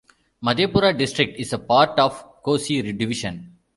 Madhepura district is a part of Kosi division.